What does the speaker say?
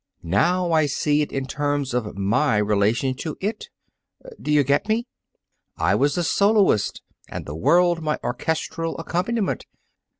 Now I see it in terms of my relation to it. Do you get me? I was the soloist, and the world my orchestral accompaniment.